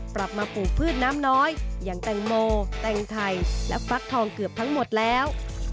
ปรับมาปลูกพืชน้ำน้อยอย่างแตงโมแตงไทยและฟักทองเกือบทั้งหมดแล้ว